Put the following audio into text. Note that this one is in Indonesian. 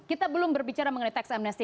kita belum berbicara mengenai tax amnesty